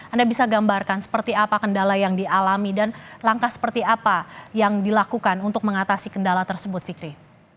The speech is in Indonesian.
anda bisa gambarkan seperti apa kendala yang dialami dan langkah seperti apa yang dilakukan untuk mengatasi kendala tersebut fikri